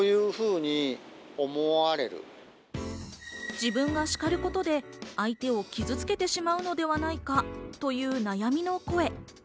自分が叱ることで相手を傷つけてしまうのではないかという悩みの声。